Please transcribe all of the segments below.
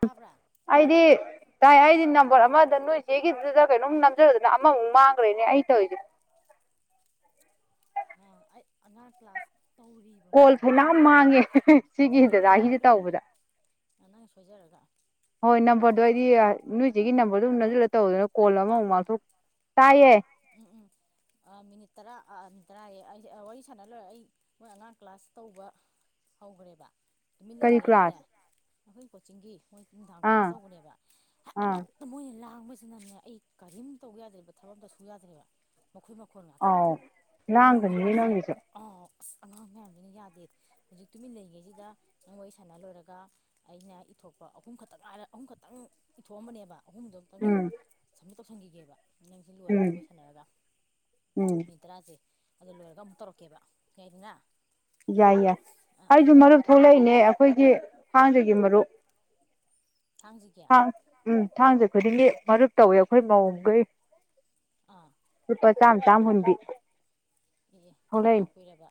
ꯇꯥꯕ꯭ꯔꯥ ꯑꯩꯗꯤ ꯇꯥꯏ ꯑꯩꯗꯤ ꯅꯝꯕꯔ ꯑꯃꯗ ꯅꯣꯏ ꯆꯦꯒꯤꯗꯨꯗ ꯀꯩꯅꯣꯝꯛ ꯅꯝꯖꯔꯗꯅ ꯑꯃꯃꯨꯛ ꯃꯥꯡꯒꯔꯦꯅꯦ ꯑꯩꯅ ꯇꯧꯔꯤꯖꯦ ꯑꯅꯥ ꯀ꯭ꯂꯥꯁ ꯇꯧꯔꯤꯕ ꯀꯣꯜ ꯃꯣꯏꯁꯦ ꯐꯅ ꯇꯨꯃꯤꯟ ꯂꯩ ꯃꯥꯡꯉꯦ ꯍꯦ ꯍꯦ ꯍꯦ ꯁꯤꯒꯤ ꯗꯥꯗꯒꯤꯁꯦ ꯇꯧꯕꯗ ꯑꯅꯥ ꯁꯣꯏꯖꯥꯔꯒ ꯍꯣꯏ ꯅꯝꯕꯔꯗꯣ ꯑꯩꯗꯤ ꯅꯣꯏꯁꯤꯒꯤ ꯅꯝꯕꯔꯗꯣ ꯑꯗꯨꯝꯅꯁꯨꯜꯂ ꯇꯧꯗꯅ ꯀꯣꯜ ꯑꯃꯃꯨꯛ ꯇꯥꯕ꯭ꯔꯣ ꯃꯥꯡꯊꯣꯛ ꯇꯥꯏꯌꯦ ꯎꯝ ꯎꯝ ꯃꯤꯅꯤꯠ ꯇꯔꯥ ꯑ ꯇꯔꯥ ꯑꯦ ꯋꯥꯔꯤ ꯁꯥꯟꯅ ꯂꯣꯏꯔ ꯑꯩ ꯃꯣꯏ ꯑꯉꯥꯡ ꯀ꯭ꯂꯥꯁ ꯇꯧꯕ ꯍꯧꯈ꯭ꯔꯦꯕ ꯇꯨꯃꯤꯟ ꯀꯔꯤ ꯂꯩꯔꯤꯉꯩꯗꯅꯦ ꯀ꯭ꯂꯥꯁ ꯑꯩꯈꯣꯏ ꯀꯣꯆꯤꯡꯒꯤ ꯃꯣꯏ ꯅꯨꯡꯗꯥꯡ ꯑꯥ ꯀ꯭ꯂꯥꯁ ꯇꯧꯕꯅꯦꯕ ꯑꯥ ꯍꯦꯛꯇ ꯃꯣꯏꯅ ꯂꯥꯡꯕꯁꯤꯅꯅꯦ ꯑꯩ ꯀꯔꯤꯝ ꯇꯧ ꯌꯥꯗ꯭ꯔꯦꯕ ꯊꯕꯛ ꯑꯝꯇ ꯁꯨ ꯌꯥꯗ꯭ꯔꯦꯕ ꯃꯈꯣꯏ ꯃꯈꯣꯟ ꯉꯥꯛꯇ ꯑꯥꯎ ꯃꯅꯤꯡꯗꯅ ꯂꯥꯡꯒꯅꯤꯌꯦ ꯑꯁꯤ ꯅꯪꯒꯤꯁꯨ ꯑꯥꯑꯣ ꯑꯁ ꯑꯉꯥꯡ ꯃꯌꯥꯝ ꯌꯥꯗꯦ ꯍꯧꯖꯤꯛ ꯇꯨꯃꯤꯟ ꯂꯩꯔꯤꯉꯩꯁꯤꯗ ꯅꯪ ꯋꯥꯔꯤ ꯁꯥꯟꯅ ꯂꯣꯏꯔꯒ ꯑꯩꯅ ꯏꯊꯣꯛꯄ ꯑꯍꯨꯝ ꯈꯛꯇ ꯅꯨꯡ ꯉꯥꯏꯅ ꯑꯍꯨꯝ ꯈꯛꯇꯪ ꯏꯊꯣꯛꯑꯝꯕꯅꯦꯕ ꯑꯍꯨꯝꯗꯣ ꯑꯃꯨꯛꯇꯪ ꯎꯝ ꯁꯝꯃꯤꯠ ꯇꯧꯁꯟꯈꯤꯒꯦꯕ ꯅꯪꯁꯤ ꯎꯝ ꯂꯣꯏꯔꯒ ꯑꯣꯏꯁꯥꯟꯅꯔꯒ ꯎꯝ ꯃꯤꯅꯠ ꯇꯔꯥꯁꯦ ꯑꯗꯨ ꯂꯣꯏꯔꯒꯥ ꯑꯃꯨꯛ ꯇꯧꯔꯛꯀꯦꯕ ꯌꯥꯏꯗꯅ ꯌꯥꯏ ꯌꯥꯏ ꯑꯥ ꯑꯥ ꯊꯡꯖꯒꯤ ꯃꯔꯨꯞ ꯊꯥꯡꯖꯒꯦ ꯊꯥꯡ ꯎꯝ ꯊꯥꯡꯖ ꯈꯨꯗꯤꯡꯒꯤ ꯃꯔꯨꯞ ꯇꯧꯋꯤ ꯑꯩꯈꯣꯏ ꯃꯧꯒꯩ ꯑꯥ ꯂꯨꯄꯥ ꯆꯥꯝꯃ ꯆꯥꯝ ꯍꯨꯟꯕꯤ ꯑꯦ ꯑꯦ ꯀꯌꯥꯝ ꯊꯣꯛꯂꯛꯏꯅꯤ ꯀꯨꯏꯔꯕ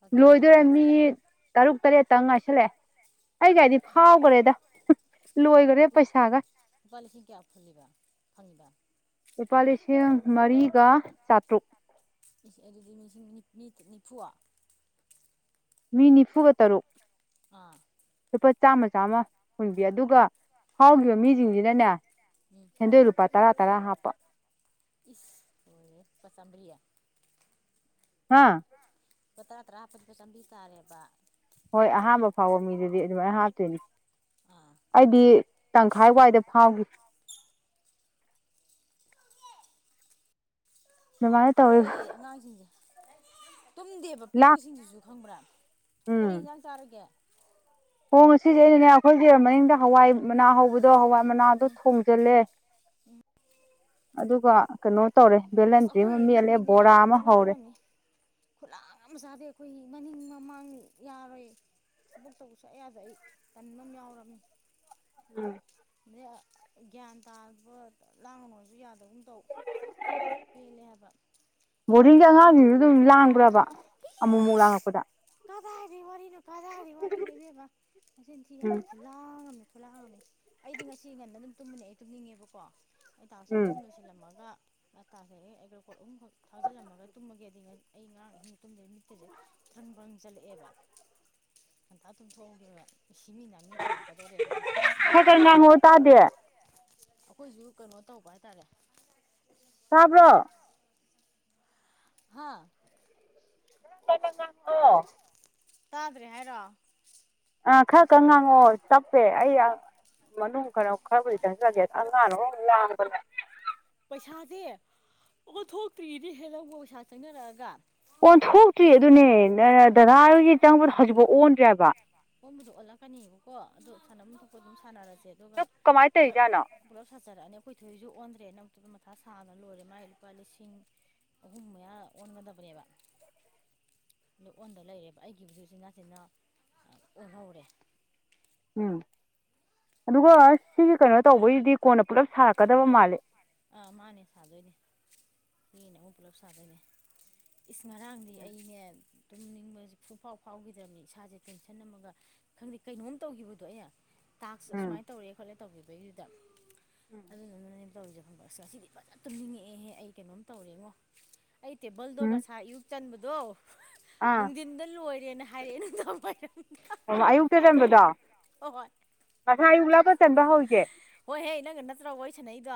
ꯂꯨꯄꯥ ꯀꯌꯥ ꯂꯣꯏꯗꯣꯏꯔꯦ ꯇꯥꯔꯤꯕ ꯃꯤ ꯑꯦ ꯇꯔꯨꯛ ꯇꯔꯦꯠꯇ ꯉꯥꯏꯁꯜꯂꯛꯑꯦ ꯑꯩ ꯀꯗꯤ ꯐꯥꯎꯈ꯭ꯔꯦꯗ ꯂꯣꯏꯈꯔꯦ ꯄꯩꯁꯥꯒ ꯎꯄꯥ ꯂꯤꯁꯤ ꯀꯌꯥ ꯐꯕ ꯐꯕ ꯂꯨꯄꯥ ꯂꯤꯁꯤꯡ ꯃꯔꯤꯒ ꯆꯥꯇ꯭ꯔꯨꯛ ꯁꯤꯡ ꯑꯗꯨꯗꯤꯁꯤꯡ ꯅꯤꯐꯨ ꯃꯤꯅꯤꯐꯨꯒ ꯇꯔꯨ ꯑꯥ ꯂꯨꯄꯥ ꯆꯥꯝꯃ ꯆꯥꯝꯃ ꯍꯨꯟꯕꯤ ꯑꯗꯨꯒ ꯎꯝ ꯐꯥꯎꯈꯤꯕ ꯃꯤꯁꯤꯡꯁꯤꯅꯅꯦ ꯎꯝ ꯁꯦꯟꯗꯣꯏ ꯂꯨꯄꯥ ꯇꯔꯥ ꯇꯔꯥ ꯍꯥꯞꯄ ꯏꯁ ꯍꯣꯏ ꯄ ꯆꯝꯔꯤꯌꯥ ꯍꯥꯥ ꯂꯄꯥ ꯇꯔꯥ ꯇꯔꯥ ꯍꯥꯞꯄꯛꯄꯗ ꯆꯥꯝꯔꯤ ꯇꯥꯔꯦꯕ ꯍꯣꯏ ꯑꯍꯥꯟꯕ ꯐꯥꯎꯕ ꯃꯤꯗꯨꯗꯤ ꯑꯗꯨꯃꯥꯏ ꯍꯥꯞꯇꯣꯏꯅꯤ ꯑꯥ ꯑꯩꯗꯤ ꯇꯪꯈꯥꯏ ꯋꯥꯏꯗ ꯐꯥꯎꯒꯤ ꯑꯗꯨꯃꯥꯏꯅ ꯇꯧꯋꯤ ꯍꯧꯔꯛꯑꯦ ꯑꯉꯥꯡꯁꯤꯡꯖꯦ ꯇꯨꯝꯗꯦꯕ ꯂꯥꯛ ꯄꯤꯛꯄꯁꯤꯡꯗꯨꯁꯨ ꯈꯪꯉꯕ꯭ꯔꯥ ꯀꯔꯤ ꯌꯦꯟꯖꯥꯡ ꯆꯥꯔꯒꯦ ꯑꯣ ꯉꯁꯤꯖꯦ ꯑꯩꯅꯅꯦ ꯑꯈꯣꯏꯒꯤ ꯃꯅꯤꯡꯗ ꯍꯋꯥꯏ ꯃꯅꯥ ꯍꯧꯕ ꯑꯗꯣ ꯍꯋꯥꯏ ꯃꯅꯥꯗꯣ ꯎꯝ ꯊꯣꯡꯖꯤꯜꯂꯦ ꯑꯗꯨꯒ ꯀꯅꯣ ꯑꯁ ꯑꯈꯣꯏ ꯏꯃꯨꯡꯒꯤꯅꯦ ꯈꯨꯠꯂꯥꯡ ꯍꯧꯔꯦ ꯑꯝꯅꯤ ꯈꯨꯠꯂꯥꯡ ꯑꯝ ꯆꯥꯗꯦ ꯑꯩꯈꯣꯏ ꯃꯅꯤꯡ ꯃꯃꯥꯡ ꯌꯥꯔꯣꯏ ꯊꯕꯛ ꯇꯧꯕ ꯁꯨꯛꯌꯥ ꯌꯥꯗꯦ ꯑꯩ ꯇꯟꯕꯝ ꯌꯥꯎꯔꯝꯃꯤ [unintelligible] ꯒ꯭ꯌꯥꯟ ꯇꯥꯕ ꯂꯥꯡꯒꯅꯣꯁꯨ ꯌꯥꯗꯒꯨꯝ ꯇꯧ ꯄꯦꯜꯂꯦ ꯍꯥꯏꯕ ꯑꯩ ꯇꯥꯔꯤꯛ ꯕꯣꯔꯗꯤꯡꯒꯤ ꯑꯍꯨꯝ ꯑꯉꯥꯡꯁꯤꯡꯖꯨ ꯗꯨꯝ ꯂꯥꯡꯕ꯭ꯔꯥꯥꯕ ꯑꯃꯨꯛ ꯃꯨꯛ ꯂꯥꯡꯉꯛꯄꯗ ꯀꯗꯥꯏ ꯋꯥꯔꯤꯅꯣ ꯀꯗꯥꯏꯒꯤ ꯋꯥꯔꯤꯅꯦ ꯏꯅꯦꯕ ꯃꯁꯤꯡꯆꯤꯟ ꯊꯤꯅꯅ ꯎꯝ ꯈꯨꯜꯂꯥꯡ ꯊꯣꯛꯂꯛꯑꯝꯃꯦ ꯑꯩꯗꯤ ꯉꯁꯤ ꯉꯟꯅ ꯑꯗꯨꯝ ꯇꯨꯝꯕꯅꯦ ꯑꯩ ꯇꯨꯝꯅꯤꯡꯉꯦꯕꯀꯣ ꯑꯩ ꯇꯥꯁ ꯎꯝ ꯑꯍꯨꯝꯗ ꯁꯤꯜꯂꯝꯃꯒ ꯉ ꯇ ꯑꯦꯒ꯭ꯔꯀꯣꯠ ꯑꯍꯨꯝꯈꯛ ꯊꯥꯖꯤꯜꯂꯝꯃꯒ ꯇꯨꯝꯃꯒꯦ ꯑꯗꯨ ꯑꯩ ꯉꯔꯥꯡꯁꯤꯡ ꯇꯨꯝꯗ ꯃꯤꯠꯇ ꯈ꯭ꯔꯪꯕ꯭ꯔꯪ ꯆꯠꯂꯛꯑꯦꯕ ꯉꯟꯇꯥ ꯇꯨꯝꯊꯣꯛꯎꯒꯦꯕ ꯁꯤꯃꯤ ꯅꯤ ꯇꯧꯔꯛꯀꯗꯧꯣꯔꯦꯕ ꯑꯩꯁꯦ ꯈꯔ ꯈꯔ ꯉꯥꯡꯉꯛꯑꯣ ꯇꯥꯗꯦ ꯑꯩꯈꯣꯏꯁꯨ ꯀꯩꯅꯣ ꯇꯧꯕ ꯍꯥꯏꯇꯥꯔꯦ ꯇꯥꯕ꯭ꯔꯣ ꯍꯥꯥ ꯉꯉꯣ ꯇꯥꯗ꯭ꯔꯦ ꯍꯥꯏꯔꯣ ꯑ ꯈꯔ ꯈ ꯉꯥꯡꯉꯣ ꯇꯞꯄꯦ ꯑꯩ ꯃꯅꯨꯡ ꯈꯔ ꯈꯔꯕꯨꯗꯤ ꯆꯪꯖꯒꯦ ꯑꯉꯥꯡꯅꯣ ꯂꯥꯡꯕꯗ ꯄꯩꯁꯥꯖꯦ ꯑꯣꯟꯊꯣꯛꯇ꯭ꯔꯤꯅꯦ ꯍꯦ ꯅꯪꯕꯣ ꯄꯩꯁꯥ ꯆꯪꯅꯔꯛꯑꯒ ꯑꯣꯟꯊꯣꯛꯇ꯭ꯔꯤ ꯑꯗꯨꯅꯦ ꯅꯪ ꯗꯗꯥ ꯍꯣꯏꯒꯤ ꯆꯪꯕꯗꯣ ꯍꯧꯖꯤꯛꯐꯥꯎ ꯑꯣꯟꯗ꯭ꯔꯤ ꯍꯥꯏꯕ ꯑꯣꯟꯕꯨꯗꯤ ꯑꯣꯜꯂꯛꯀꯅꯤꯕꯀꯣ ꯑꯗꯨ ꯁꯥꯟꯅꯐꯝ ꯊꯣꯛꯄ ꯑꯗꯨꯝ ꯁꯥꯟꯅꯔꯁꯦ ꯑꯗꯨꯒ ꯑꯗꯨ ꯀꯃꯥꯏꯅ ꯄꯨꯂꯞ ꯇꯧꯔꯤꯖꯥꯠꯅꯣ ꯄꯨꯂꯞ ꯁꯥꯖꯔꯛꯑꯅꯤ ꯑꯈꯣꯏ ꯊꯣꯏꯁꯨ ꯑꯣꯟꯗ꯭ꯔꯦꯅ ꯑꯗꯨ ꯃꯊꯥ ꯁꯥꯅ ꯂꯣꯏꯔꯦ ꯃꯥꯢ ꯂꯨꯄꯥ ꯂꯤꯁꯤꯡ ꯑꯍꯨꯝ ꯃꯌꯥ ꯑꯣꯟꯒꯗꯕꯅꯦꯕ ꯗꯨ ꯑꯣꯟꯗ ꯂꯩꯔꯦꯕ ꯑꯩꯒꯤ ꯎꯆꯤꯟ ꯅꯥꯆꯤꯟꯅ ꯑꯥ ꯑꯣꯟꯍꯧꯔꯦ ꯎꯝ ꯑꯗꯨꯒ ꯁꯤꯒꯤ ꯀꯩꯅꯣ ꯇꯧꯕꯩꯁꯤꯗꯤ ꯀꯣꯟꯅ ꯄꯨꯂꯞ ꯁꯥꯔꯛꯀꯗꯕ ꯃꯥꯜꯂꯤ ꯑꯥ ꯃꯥꯅꯦ ꯁꯥꯗꯣꯏꯅꯦ ꯁꯤꯅꯦ ꯑꯃꯨꯛ ꯄꯨꯂꯞ ꯁꯥꯗꯣꯏꯅꯦ ꯏꯁ ꯉꯥꯡꯗꯤ ꯑꯩꯅ ꯇꯨꯝꯅꯤꯡꯕꯁꯦ ꯄꯨꯡꯐꯥꯎ ꯐꯥꯎꯈꯤꯗ꯭ꯔꯕꯅꯤ ꯏꯁꯥꯁꯦ ꯇꯦꯟꯁꯟ ꯑꯃꯝꯃꯒ ꯈꯪꯗꯦ ꯀꯩꯅꯣꯝ ꯇꯧꯈꯤꯕꯗꯣ ꯑꯩꯩꯅ ꯇꯥꯛꯁ ꯑꯁꯨꯃꯥꯏꯅ ꯇꯧꯔꯛꯦ ꯈꯣꯠꯂꯦ ꯇꯧꯧꯕꯤꯈꯤꯕꯩꯗꯨꯗ ꯎꯝ ꯇꯧꯔꯤꯁꯦ ꯐꯪꯕ ꯑꯁ ꯉꯁꯤꯗꯤ ꯐꯖꯅ ꯇꯨꯝꯅꯤꯡꯉꯛꯑꯦꯍꯦ ꯑꯩ ꯀꯩꯅꯣꯝ ꯇꯧꯔꯦꯉꯣ ꯑꯩ ꯇꯦꯕꯜꯗꯣ ꯎꯝ ꯃꯁꯥ ꯑꯌꯨꯛ ꯆꯟꯕꯗꯣ ꯑꯥ ꯅꯨꯡꯊꯤꯟꯗ ꯂꯣꯏꯔꯦꯅ ꯍꯥꯏꯔꯛꯑꯦ ꯅꯨꯡꯖꯥ ꯄꯥꯏꯔ ꯄꯥ ꯆꯟꯕ ꯍꯧꯒꯦ ꯍꯣꯏꯍꯦ ꯅꯪꯒ ꯅꯠꯇ꯭ꯔꯣ ꯑꯣꯏꯁꯅ ꯑꯩꯗꯣ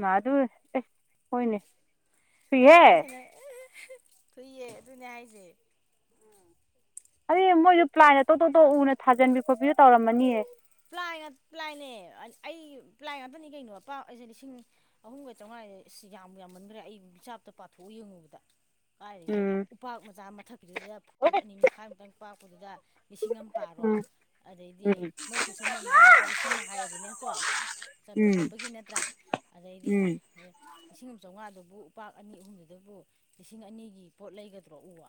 ꯃꯥ ꯑꯗꯨꯁ ꯍꯣꯏꯅꯦ ꯊꯨꯏꯍꯦ ꯂꯩꯑꯣꯣꯏꯁꯤꯅꯦ ꯊꯨꯏꯌꯦ ꯑꯗꯨꯅꯦ ꯍꯥꯏꯁꯦ ꯑꯗꯨ ꯃꯣꯏꯁꯨ ꯄ꯭ꯂꯥꯏꯟ ꯑꯇꯣꯞꯇꯣꯞꯇꯣꯞ ꯎꯅ ꯊꯥꯖꯟꯕꯤ ꯈꯣꯠꯄꯤ ꯇꯧꯔꯝꯃꯅꯤꯌꯦ ꯄ꯭ꯂꯥꯏ ꯄ꯭ꯂꯥꯏꯅꯦ ꯑꯩ ꯄ꯭ꯂꯥꯏ ꯉꯥꯛꯇꯅꯤ ꯀꯩꯅꯣ ꯄ ꯑꯩꯁꯦ ꯂꯤꯁꯤꯡ ꯑꯍꯨꯝꯒ ꯆꯥꯝꯃꯉꯥ ꯑꯁ ꯌꯥꯝ ꯌꯥꯝꯃꯟꯈ꯭ꯔꯦ ꯑꯩ ꯃꯤꯆꯥꯞꯇ ꯄꯥꯊꯣꯛꯎ ꯌꯦꯡꯉꯨꯕꯗ ꯀꯥꯏꯗꯒꯤ ꯎꯝ ꯎꯄꯥꯛ ꯃꯆꯥ ꯃꯊꯛꯀꯤꯗꯨꯗ ꯐꯨꯠ ꯑꯅꯤ ꯃꯈꯥꯏ ꯃꯨꯛꯇꯪ ꯄꯥꯛꯄꯗꯨꯗ ꯂꯤꯁꯤꯡ ꯑꯃ ꯄꯥꯔꯣ ꯎꯝ ꯑꯗꯩꯗꯤ ꯎꯝ ꯃꯣꯏ ꯈꯨꯠꯁꯃꯟꯗ ꯂꯨꯄꯥ ꯂꯤꯁꯤꯡ ꯑꯃ ꯍꯥꯏꯔꯁꯤꯅꯦꯀꯣ ꯆꯟꯕ ꯎꯝ ꯈꯣꯠꯄꯒꯤ ꯅꯠꯇ꯭ꯔꯥ ꯑꯗꯩꯗꯤ ꯎꯝ ꯂꯤꯁꯤꯡ ꯑꯃ ꯆꯥꯝꯃꯉꯥꯗꯨ ꯕꯨ ꯎꯄꯥꯛ ꯑꯅꯤ ꯑꯍꯨꯝꯗꯨꯗꯕꯨ ꯂꯤꯁꯤꯡ ꯑꯅꯤꯒꯤ ꯄꯣꯠ ꯂꯩꯒꯗ꯭ꯔꯣ ꯎ ꯋꯥ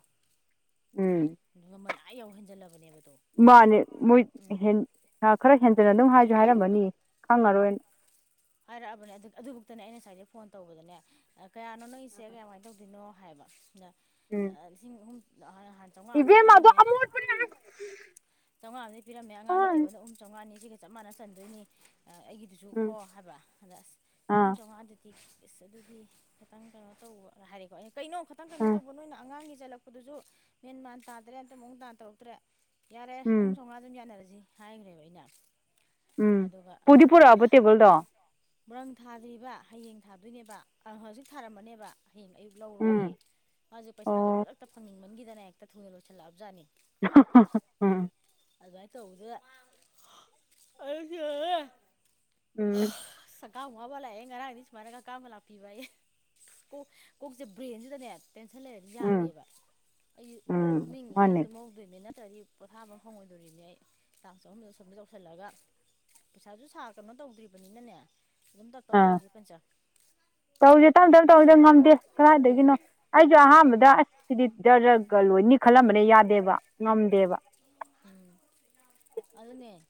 ꯎꯝ ꯃꯃꯜ ꯑꯥ ꯌꯥꯎ ꯍꯟꯖꯜꯂꯕꯅꯦꯕ ꯃꯥꯅꯦ ꯃꯣꯏ ꯈꯔ ꯍꯦꯟꯖꯟꯅ ꯑꯗꯨꯝ ꯍꯥꯏꯁꯨ ꯍꯥꯏꯔꯝꯃꯅꯤ ꯎꯝ ꯈꯪꯉꯔꯣꯏꯅ ꯍꯥꯏꯔꯛꯑꯕꯅꯦ ꯑꯗꯨꯃꯛꯇꯅꯦ ꯑꯩꯅ ꯉꯁꯥꯏꯗꯩ ꯐꯣꯟ ꯇꯧꯕꯗꯅꯦ ꯀꯌꯥꯅꯣ ꯅꯪꯒꯤꯁꯦ ꯀꯌꯥꯃꯥꯏꯅ ꯇꯧꯗꯣꯏꯅꯣ ꯍꯥꯏꯕ ꯁꯤꯅ ꯂꯤꯁꯤꯡ ꯑꯍꯨꯝ ꯍꯥꯟ ꯆꯥꯝꯃꯉꯥ ꯑꯃꯗꯤ ꯏꯕꯦꯝꯃꯗꯣꯣ ꯆꯥꯝꯉꯥ ꯑꯃꯗꯤ ꯄꯤꯔꯝꯃꯦ ꯑꯉꯥꯡꯒꯤ ꯇꯦꯕꯜꯗꯍꯨꯝ ꯆꯥꯝꯃꯉꯥꯅꯤ ꯁꯤꯆꯒ ꯆꯞ ꯃꯥꯟꯅ ꯆꯟꯗꯣꯏꯅꯤ ꯑꯩꯒꯤꯗꯨꯁꯨ ꯈꯣ ꯍꯥꯏꯕ ꯑꯗ ꯑꯁ ꯑꯍꯨꯝ ꯑꯥ ꯆꯥꯝꯃꯉꯥꯗꯨꯗꯤ ꯏꯁ ꯑꯗꯨꯗꯤ ꯈꯤꯇꯪ ꯀꯩꯅꯣ ꯇꯧꯕ ꯍꯥꯏꯔꯦꯀꯣ ꯀꯩꯅꯣ ꯈꯤꯇꯪ ꯀꯩꯅꯣ ꯎꯝ ꯇꯧꯕ ꯅꯣꯏꯅ ꯑꯉꯥꯡꯒꯤ ꯆꯠꯂꯛꯄꯗꯨꯁꯨ ꯃꯦꯟ ꯃꯥꯟ ꯇꯥꯗ꯭ꯔꯦ ꯑꯇ ꯃꯑꯣꯨꯡ ꯇꯥꯟ ꯇꯧꯔꯛꯇ꯭ꯔꯦ ꯌꯥꯔꯦ ꯎꯝ ꯑꯍꯨꯝ ꯆꯥꯝꯃꯉꯥ ꯑꯗꯨꯝ ꯌꯥꯅꯔꯁꯤ ꯍꯥꯏꯈ꯭ꯔꯦꯕ ꯑꯩꯅ ꯎꯝ ꯄꯨꯗꯤ ꯄꯨꯔꯛꯑꯕ ꯇꯦꯕꯜꯗꯣ ꯃꯪ ꯊꯥꯗ꯭ꯔꯤꯕ ꯍꯌꯦꯡ ꯊꯥꯗꯣꯏꯅꯦꯕ ꯑ ꯍꯧꯖꯤꯛ ꯊꯥꯔꯝꯕꯅꯦꯕ ꯍꯌꯦꯡ ꯑꯌꯨꯛ ꯎꯝ ꯂꯧꯔꯣꯏꯌꯦ ꯃꯥꯁꯦ ꯄꯩꯁꯥꯥꯁꯦ ꯑꯣ ꯈꯨꯗꯛꯇ ꯐꯪꯅꯤꯡꯃꯟꯈꯤꯗꯅ ꯍꯦꯛꯇ ꯊꯨꯅ ꯂꯣꯏꯁꯤꯜꯂꯛꯑꯕꯖꯥꯠꯅꯤ [inaudible] ꯑꯗꯨꯃꯥꯏꯅ ꯇꯧꯕꯗꯁꯨ ꯎꯝ ꯁꯀꯥ ꯋꯥꯕ ꯂꯥꯛꯑꯦ ꯉꯔꯥꯡ ꯑꯅꯤ ꯁꯨꯃꯥꯏꯅꯒ ꯀꯥꯕ ꯂꯥꯛꯄꯤꯕ ꯑꯦ ꯀꯣꯛ ꯀꯣꯛꯁꯦ ꯕ꯭ꯔꯦꯟꯁꯤꯗꯅꯦ ꯇꯦꯟꯁꯟ ꯂꯩꯔꯗꯤ ꯎꯝ ꯌꯥꯗꯦꯕ ꯑꯩ ꯎꯝ ꯆꯨꯝꯅꯤꯡꯉꯉꯦ ꯃꯥꯅꯦ ꯆꯨꯝꯍꯧꯗꯣꯏꯅꯤ ꯅꯠꯇ꯭ꯔꯗꯤ ꯄꯣꯊꯥꯐꯝ ꯐꯪꯉꯣꯏꯗꯣꯔꯤꯅꯦ ꯑꯩ ꯇꯥꯡ ꯆꯍꯨꯝꯗ ꯁꯣꯝꯗ ꯌꯧꯁꯤꯜꯂꯒ ꯄꯩꯁꯥꯁꯨ ꯁꯥ ꯀꯅꯣ ꯇꯧꯗ꯭ꯔꯤꯕꯅꯤꯅꯅꯦ ꯑꯗꯨꯝ ꯇꯞ ꯇꯞ ꯑꯥ ꯇꯧꯁꯤ ꯀꯟ ꯇꯧꯁꯦ ꯇꯞ ꯇꯞ ꯇꯧꯔꯤꯗ ꯉꯝꯗꯦ ꯀꯗꯥꯏꯗꯒꯤꯅꯣ ꯑꯩꯁꯨ ꯑꯍꯥꯟꯕꯗ ꯁꯤꯗꯤ ꯖꯔꯒ ꯂꯣꯏꯅꯤ ꯈꯜꯂꯝꯕꯅ ꯌꯥꯗꯦꯕ ꯉꯝꯗꯦꯕ ꯎꯝ ꯎꯝ ꯑꯗꯨꯅꯦ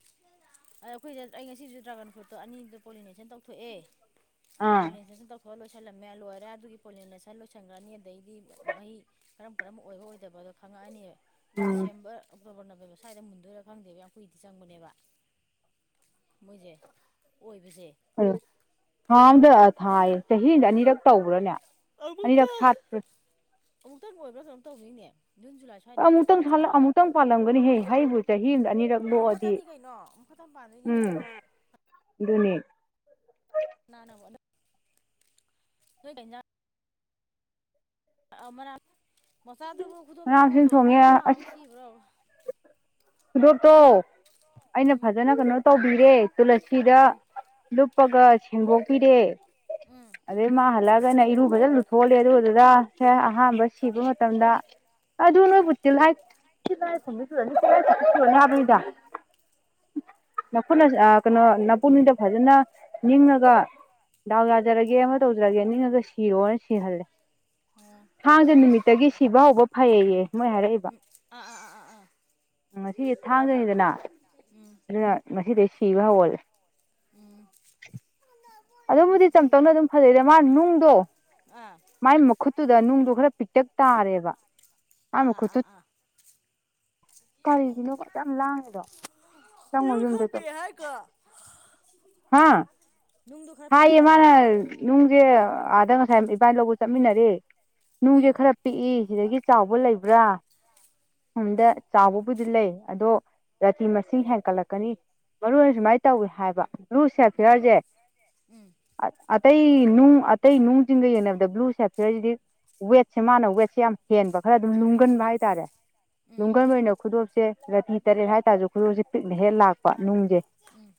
ꯑꯗ ꯑꯩꯈꯣꯏꯗ ꯑꯩ ꯉꯁꯤꯁꯨ ꯗ꯭ꯔꯥꯒꯟ ꯐ꯭ꯔꯨꯠꯇꯣ ꯑꯅꯤꯗꯣ ꯄꯣꯂꯤꯅꯦꯁꯟ ꯇꯧꯊꯣꯛꯑꯦ ꯑꯥ ꯄꯨꯂ ꯊ ꯂꯣꯏꯁꯜꯂꯝꯃꯦ ꯂꯣꯏꯔꯦ ꯑꯗꯨꯒꯤ ꯄꯣꯂꯤꯅꯦꯁꯟ ꯂꯣꯏꯁꯟꯈ꯭ꯔꯅꯤ ꯑꯗꯩꯗꯤ ꯃꯍꯤ ꯀꯔꯝ ꯀꯔꯝꯕ ꯑꯣꯏꯕ ꯑꯣꯏꯗꯕ ꯑꯗꯣ ꯈꯪꯉꯛꯑꯅꯤꯌꯦ ꯎꯝ ꯗꯤꯁꯦꯝꯕꯔ ꯣꯕꯔ ꯅꯕꯦꯕ ꯁ꯭ꯋꯥꯏꯗ ꯃꯨꯟꯗꯣꯏꯔꯥ ꯈꯪꯗꯦꯕ ꯌꯥꯝ ꯀꯨꯏꯗꯤ ꯆꯪꯕꯅꯦꯕ ꯃꯦ ꯑꯣꯏ ꯑ ꯊꯥꯡꯗ ꯊꯥꯏꯌꯦ ꯆꯍꯤꯗ ꯑꯅꯤꯔꯛ ꯇꯧꯕ꯭ꯔꯥꯅꯦ ꯑꯅꯤ ꯂ ꯁꯥꯠ ꯑꯃꯨꯛꯇꯪ ꯑꯣꯏꯕ꯭ꯔꯥ ꯀꯝ ꯇꯧꯤꯅꯦ ꯑꯃꯨꯛꯇꯪ ꯑꯃꯨꯛꯇꯪ ꯄꯥꯜꯂꯝꯒꯅꯤꯍꯦ ꯍꯕꯨ ꯆꯍꯤ ꯑꯃꯗ ꯑꯅꯤꯔꯛ ꯂꯣꯛꯑꯗꯤ ꯏ ꯄꯥꯗꯣꯏꯅꯤ ꯀꯩꯅꯣ ꯅꯤꯠ ꯅ ꯋꯥ ꯅꯣꯏ ꯀꯩꯅ ꯃ ꯃꯆꯥꯗꯨꯕꯨ ꯃꯅꯥ ꯈꯨꯗꯣꯞꯇꯕꯣ ꯃꯁꯤꯡ ꯊꯣꯡꯉꯦ ꯍꯥꯎ ꯑꯁ ꯁꯤꯕ꯭ꯔꯣ ꯈꯨꯗꯣꯞꯇꯣ ꯑꯩꯅ ꯎꯝ ꯐꯖꯅ ꯀꯩꯅꯣ ꯇꯧꯕꯤꯔꯦ ꯇꯨꯂꯁꯤꯗ ꯎꯝ ꯂꯨꯞꯄꯒ ꯍꯦꯡꯗꯣꯛꯄꯤꯔꯦ ꯎꯝ ꯑꯗꯩ ꯃꯥ ꯍꯜꯂꯛꯑꯒꯅ ꯏꯔꯨ ꯐꯖꯅꯁꯨꯊꯣꯛꯍꯜꯂꯦ ꯑꯗꯨꯗꯨꯗ ꯁꯦ ꯑꯍꯥꯟꯕ ꯁꯤꯕ ꯃꯇꯝꯗ ꯑꯗꯨ ꯅꯣꯏꯕꯨ ꯇꯤꯜꯍꯥꯏꯤ ꯁꯅꯤ ꯍꯥꯏꯕꯅꯤꯗ ꯅꯨꯅ ꯀꯩꯅꯣ ꯅꯄꯨꯟꯅꯤꯗ ꯐꯖꯅ ꯅꯤꯡꯉꯒ ꯗꯥꯎ ꯌꯥꯖꯔꯒꯦ ꯑꯃ ꯇꯧꯖꯔꯒꯦ ꯅꯤꯡꯉꯒ ꯁꯤꯔꯣꯅ ꯁꯤꯍꯜꯂꯦ ꯑꯣ ꯊꯥꯡꯖ ꯅꯨꯃꯤꯠꯇꯒꯤ ꯁꯤꯕ ꯍꯧꯕ ꯐꯩꯌꯦꯌꯦ ꯃꯣꯏ ꯍꯥꯏꯔꯛꯏꯕ ꯑꯥ ꯑꯥ ꯑꯥ ꯑꯥ ꯑꯥ ꯉꯁꯤꯁ ꯊꯥꯡꯗꯅꯤꯗꯅ ꯎꯝ ꯑꯗꯨꯅ ꯁꯤꯗꯁꯤꯚ ꯍꯜ ꯎꯝ ꯑꯗꯨꯝꯕꯨꯗꯤ ꯆꯝ ꯉꯁꯤꯗꯒꯤ ꯆꯧꯅ ꯑꯗꯨꯝ ꯐꯖꯩꯔꯦ ꯃꯥ ꯅꯨꯡꯗꯣ ꯑꯥ ꯃꯥꯏ ꯃꯈꯨꯠꯇꯨꯗ ꯅꯨꯡꯗꯣ ꯈꯔ ꯄꯤꯛꯇꯛ ꯇꯥꯔꯦꯕ ꯑꯥ ꯑꯥ ꯑꯥ ꯑꯥ ꯀꯔꯤꯒꯤꯅꯣꯀꯣ ꯌꯥꯝ ꯌꯥꯝ ꯂꯥꯡꯉꯤꯗꯣ ꯆꯪꯉꯣ ꯌꯨ ꯌꯨꯝꯗꯩꯗꯣ ꯈꯠꯄꯤ ꯍꯥꯏꯗꯣ ꯍꯥ ꯍꯥ ꯏꯃꯅ ꯍꯥꯏꯔꯕ ꯅꯅꯨꯡ ꯑꯗꯪ ꯉꯁꯥꯏ ꯏꯕꯥ ꯂꯧꯕ ꯆꯠꯃꯤꯟꯅꯔꯦ ꯅꯨꯡꯁꯦ ꯎꯝ ꯈꯔ ꯄꯤꯛꯏ ꯁꯤꯗꯒꯤ ꯆꯥꯎꯕ ꯂꯩꯕ꯭ꯔꯥ ꯁꯣꯝꯗ ꯆꯥꯎꯕꯕꯨꯗꯤ ꯂꯩ ꯑꯗꯣ ꯔꯥꯇꯤ ꯃꯁꯤꯡ ꯍꯦꯟꯀꯠꯂꯛꯀꯅꯤ ꯃꯔꯨ ꯑꯣꯏꯅ ꯁꯨꯃꯥꯏꯅ ꯇꯧꯏꯤ ꯍꯥꯏꯕ ꯕ꯭ꯂꯨ ꯎꯝ ꯁꯦꯐꯤꯌꯥꯔꯁꯦ ꯎꯝ ꯑꯇꯩ ꯅꯨꯡ ꯑꯇꯩ ꯅꯨꯡꯁꯤꯡꯤꯡꯒ ꯌꯦꯡꯅꯕꯗ ꯕ꯭ꯂꯨ ꯁꯦꯐꯤꯌꯔꯁꯤꯗꯤ ꯋꯦꯠꯁꯦ ꯃꯥꯅ ꯋꯦꯠꯁꯦ ꯌꯥꯝ ꯍꯦꯟꯕ ꯈꯔ ꯑꯗꯨꯝ ꯂꯨꯝꯒꯟꯕ ꯍꯥꯏꯇꯥꯔꯦ ꯎꯝ ꯅꯨꯡꯒꯟ ꯑꯣꯏꯅ ꯈꯨꯗꯣꯞꯁꯦ ꯔꯥꯇꯤ ꯇꯔꯦꯠ ꯍꯥꯏꯇꯥꯔꯁꯨ ꯈꯨꯗꯣꯞꯁꯦ ꯄꯤꯛꯅ ꯍꯦꯛ ꯂꯥꯛꯄ ꯅꯨꯡꯁꯦ ꯎꯝ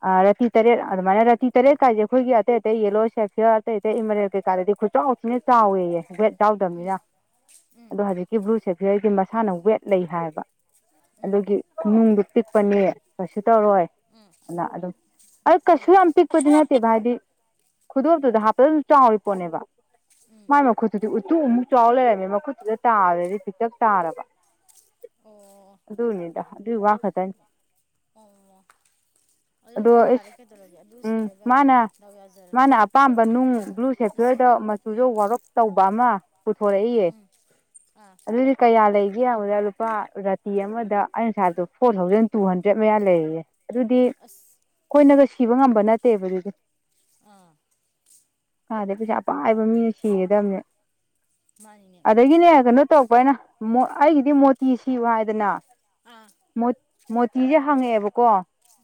ꯔꯥꯐꯤ ꯇꯔꯦꯠ ꯑꯗꯨꯃꯥꯏꯅ ꯔꯥꯐꯤ ꯇꯔꯦꯠ ꯀꯥꯏꯁꯦ ꯑꯩꯈꯣꯏꯒꯤ ꯑꯇꯩ ꯑꯇꯩ ꯌꯦꯜꯂꯣ ꯁꯦꯐꯤꯌꯔ ꯑꯇꯩ ꯑꯇꯩ ꯏꯃꯔꯦꯜ ꯀꯩꯀꯥꯗꯗꯤ ꯈꯨꯠꯆꯥꯎꯁꯤꯅ ꯆꯥꯎꯋꯦꯌꯦ ꯔꯦꯗ ꯆꯥꯎꯗꯝꯕꯅꯤ ꯎꯝ ꯑꯗꯣ ꯍꯧꯖꯤꯛꯀꯤ ꯕ꯭ꯂꯨ ꯁꯦꯐꯤꯌꯔꯒꯤ ꯃꯁꯥꯅ ꯋꯦꯠ ꯂꯩ ꯍꯥꯏꯕ ꯑꯗꯨꯒꯤ ꯅꯨꯡꯗꯨ ꯄꯤꯛꯄꯅꯦ ꯀꯩꯁꯨ ꯇꯧꯔꯣꯏ ꯎꯝ ꯎꯝ ꯑ ꯑꯗꯨ ꯑ ꯎꯝ ꯀꯁꯨꯛ ꯍꯥꯝ ꯄꯤ ꯀꯩꯁꯨ ꯍꯥꯛꯄꯗꯤ ꯌꯥꯝ ꯅꯠꯇꯦꯕ ꯄꯤꯛ ꯍꯥꯏꯗꯤ ꯈꯨꯗꯣꯞꯇꯨꯗ ꯍꯥꯞꯄꯗ ꯑꯗꯨꯝ ꯆꯥꯎꯔꯤ ꯄꯣꯠꯅꯦꯕ ꯎꯝ ꯃꯥꯏ ꯃꯈꯨꯠꯇꯨꯗꯤ ꯇꯨ ꯑꯃꯨꯛ ꯆꯥꯎ ꯂꯩꯔꯝꯃꯦ ꯃꯈꯨꯠꯇꯨꯗ ꯇꯥꯔꯗꯤ ꯄꯤꯇꯛ ꯇꯥꯔꯕ ꯑꯣ ꯑꯗꯨꯅꯤꯗꯥ ꯑꯗꯨ ꯋꯥ ꯈꯗꯅꯤ ꯑꯣ ꯑꯗꯨꯗꯤ ꯌꯥꯔꯦ ꯀꯩ ꯇꯧꯔꯗꯤ ꯑꯗꯨ ꯎꯝ ꯁꯤꯔꯒ ꯃꯥꯅ ꯌꯥꯖꯔꯅꯤ ꯃꯥꯅ ꯑꯄꯥꯝꯕ ꯅꯨꯡ ꯕ꯭ꯂꯨ ꯁꯦꯐꯤꯌꯔꯗ ꯏꯆꯦꯅ ꯃꯆꯨꯗ ꯎꯝ ꯋꯥꯔꯞ ꯇꯧꯕ ꯑꯃ ꯄꯨꯊꯣꯔꯛꯏꯌꯦ [unintelligible] ꯑꯗꯨꯗꯤ ꯀꯩ ꯌꯥꯂ ꯕꯗ ꯂꯨꯄꯥ ꯔꯥꯇꯤ ꯑꯃꯗ ꯑꯩꯅꯁꯗ ꯐꯣꯔ ꯊꯥꯎꯖꯟ ꯇꯨ ꯍꯟꯗ꯭ꯔꯦꯗ ꯃꯌꯥ ꯂꯩꯔꯤꯌꯦꯦ ꯑꯗꯨꯗꯤ ꯑꯁ ꯑꯩꯈꯣꯏꯅꯒ ꯁꯤꯕ ꯉꯝꯕ ꯅꯠꯇꯦꯕ ꯑꯗꯨꯗꯤ ꯑꯥ ꯑꯗꯩ ꯄꯩꯁꯥ ꯄꯥꯏꯕ ꯃꯤꯅ ꯁꯤꯒꯗꯕꯅꯦ ꯃꯥꯅꯤꯅꯦ ꯑꯗꯒꯤꯅꯦ ꯀꯩꯅꯣ ꯇꯧꯔꯛꯄꯅ ꯑꯩꯒꯤꯗꯤ ꯃꯣꯇꯤ ꯁꯤꯕꯨ ꯍꯥꯏꯗꯅ ꯑꯥ ꯃꯣꯇꯤꯁꯦ ꯍꯪꯉꯛꯑꯦꯕꯀꯣ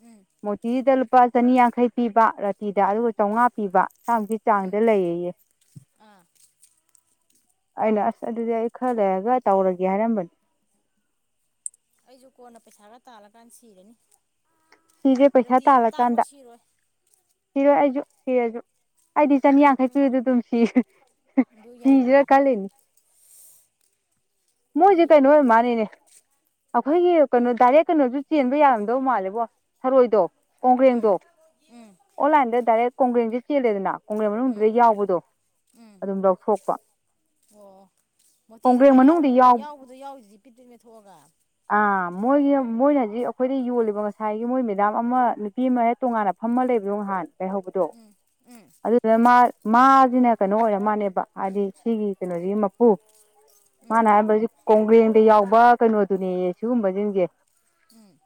ꯎꯝ ꯃꯣꯇꯤꯁꯤꯗ ꯂꯨꯄꯥ ꯆꯅꯤ ꯌꯥꯡ ꯌꯥꯡꯈꯩ ꯄꯤꯕ ꯔꯥꯇꯤꯗ ꯑꯗꯨꯒ ꯆꯥꯝꯃꯉꯥ ꯄꯤꯕ ꯥꯃꯨꯛꯀꯤ ꯎꯝ ꯆꯥꯡꯗ ꯂꯩꯌꯦꯌꯦ ꯑꯥ ꯑꯩꯅ ꯑꯁ ꯑꯗꯨꯗꯤ ꯑꯩ ꯈꯔ ꯂꯩꯔꯒ ꯇꯧꯔꯒꯦ ꯍꯥꯏꯔꯝꯕꯅꯤ ꯑꯩꯁꯨ ꯀꯣꯟꯅ ꯄꯩꯁꯥꯒ ꯇꯥꯜꯂꯀꯥꯟꯗ ꯁꯤꯔꯅꯤ ꯁꯤꯁꯦ ꯄꯩꯁꯥ ꯅꯠꯇꯤ ꯌꯥꯝ ꯇꯥꯡꯕ ꯇꯥꯜꯂꯀꯥꯟꯗ ꯁꯤꯔꯣꯏ ꯁꯤꯔꯣꯏ ꯑꯩꯁꯨ ꯁꯤꯔꯁꯨ ꯑꯩꯗꯤ ꯈꯔ ꯑꯗꯨꯝ ꯆꯅꯤꯌꯥꯡꯈꯩꯀꯤꯨꯗ ꯑꯗꯨꯝ ꯁꯤ ꯑꯗꯨ ꯁꯤꯁꯤꯔꯥ ꯌꯥꯔꯕꯅꯤ ꯀꯜꯂꯤꯅꯤ ꯃꯣꯏꯁꯨ ꯍꯥꯏꯗꯤ ꯀꯥꯏ ꯅꯣꯏ ꯃꯥꯅꯤꯅꯦ ꯑꯩꯈꯣꯏꯒꯤ ꯀꯩꯅꯣ ꯗꯥꯏꯔꯦꯛ ꯀꯩꯅꯣꯁꯨ ꯆꯦꯟꯕ ꯌꯥꯔꯝꯗꯧ ꯃꯥꯜꯂꯦꯕꯣ ꯊꯔꯣꯏꯗꯣ ꯀꯣꯡꯒ꯭ꯔꯦꯡꯗꯣ ꯎꯝ ꯎꯝ ꯑꯣꯟꯂꯥꯏꯟꯗ ꯗꯥꯏꯔꯦꯛ ꯀꯣꯡꯒ꯭ꯔꯦꯡꯁꯦ ꯆꯦꯜꯂꯦꯗꯅ ꯈꯣꯡꯡꯂ꯭ꯔꯦꯟ ꯃꯅꯨꯡꯗꯨꯗ ꯎꯝ ꯌꯥꯎꯕꯗꯣ ꯎꯝ ꯑꯗꯨꯝ ꯂꯧꯊꯣꯛꯄ ꯑꯣ ꯃꯣꯇꯤꯁ ꯀꯣꯡꯒ꯭ꯔꯦꯡ ꯑꯗꯨꯃꯥꯏꯅ ꯃꯅꯨꯡꯗ ꯌꯥꯎꯔꯤꯗ ꯌꯥꯎ ꯌꯥꯎꯕꯗꯣ ꯌꯥꯎꯔꯤꯁꯤ ꯄꯤꯠ ꯄꯤꯠꯅꯦ ꯊꯣꯛꯑꯒ ꯑꯥ ꯃꯣꯏꯒꯤ ꯃꯣꯏꯅ ꯍꯧꯖꯤꯛ ꯑꯩꯈꯣꯏꯗ ꯌꯣꯜꯂꯤꯕ ꯉꯁꯥꯏꯒꯤ ꯃꯣꯏ ꯃꯦꯗꯥꯝ ꯑꯃ ꯅꯨꯄꯤ ꯑꯃ ꯍꯦꯛ ꯇꯣꯉꯥꯟꯅ ꯐꯝꯃ ꯂꯩ ꯣ ꯅꯍꯥꯟ ꯀꯩꯍꯧꯕꯗꯣ ꯎꯝ ꯎꯝ ꯑꯗꯨꯗꯨꯅ ꯁꯤꯅ ꯀꯩꯅꯣ ꯑꯣꯏꯔ ꯃꯥꯜꯅꯦꯕ ꯍꯥꯏꯗꯤ ꯁꯤꯒꯤ ꯀꯩꯅꯣꯁꯤꯒꯤ ꯃꯄꯨ ꯎꯝ ꯃꯥꯅ ꯍꯥꯏꯁꯤ ꯀꯣꯡꯒ꯭ꯔꯦꯡꯗ ꯌꯥꯎꯕ ꯀꯩꯅꯣꯗꯨꯅꯦ ꯁꯤꯒꯨꯝꯕꯁꯤꯡꯁꯦ ꯎꯝ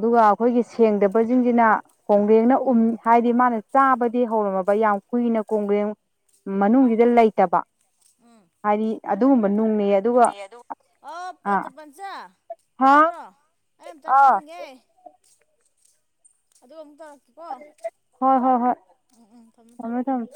ꯑꯗꯨꯒ ꯑꯩꯈꯣꯏꯒꯤ ꯁꯦꯡꯗꯕꯁꯤꯡꯁꯤꯅ ꯀꯣꯒꯦꯡꯅ ꯎ ꯍꯥꯏꯗꯤ ꯃꯥꯅ ꯆꯥꯕꯗꯤ ꯍꯧꯔꯝꯃꯕ ꯌꯥꯝ ꯀꯨꯏꯅ ꯀꯣꯡꯒ꯭ꯔ ꯃꯅꯨꯡꯁꯤꯗ ꯂꯩꯇꯕ ꯎꯝ ꯍꯥꯏꯗꯤ ꯑꯗꯨꯒꯨꯝꯕ ꯅꯨꯡꯅꯦꯌꯦ ꯑꯗꯨꯒ ꯑꯣ ꯑꯥ ꯄꯟꯆꯥ ꯍꯥ ꯇꯥꯕ꯭ꯔꯣ ꯑꯩ ꯑꯝꯇ ꯑꯥ ꯊꯧꯒꯦ ꯑꯗꯨꯒ ꯑꯃꯨꯛꯇꯧꯔꯛ ꯍꯣꯏ ꯍꯣꯏ ꯍꯣꯏ ꯎꯝ ꯎꯝ ꯊꯝꯃꯣ ꯊꯝꯃꯣ ꯊꯃꯦ ꯊꯝꯃꯦ